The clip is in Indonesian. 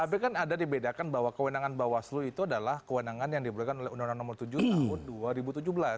tapi kan ada dibedakan bahwa kewenangan bawaslu itu adalah kewenangan yang diberikan oleh undang undang nomor tujuh tahun dua ribu tujuh belas